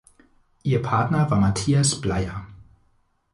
Ihr Partner war Matthias Bleyer.